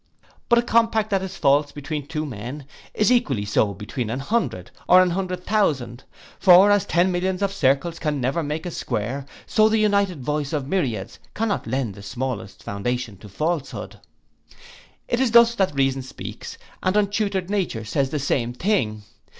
But a compact that is false between two men, is equally so between an hundred, or an hundred thousand; for as ten millions of circles can never make a square, so the united voice of myriads cannot lend the smallest foundation to falsehood. It is thus that reason speaks, and untutored nature says the same thing.